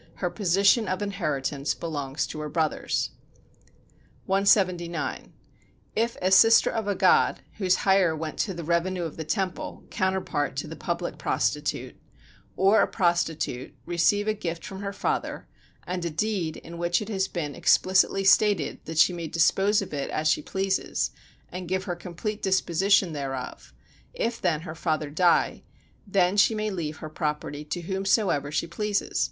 Her position of inheritance belongs to her brothers. 179. If a "sister of a god" [whose hire went to the revenue of the temple, counterpart to the public prostitute], or a prostitute, receive a gift from her father, and a deed in which it has been explicitly stated that she may dispose of it as she pleases, and give her complete disposition thereof: if then her father die, then she may leave her property to whomsoever she pleases.